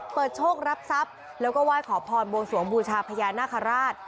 โชครับทรัพย์แล้วก็ไหว้ขอพรบวงสวงบูชาพญานาคาราช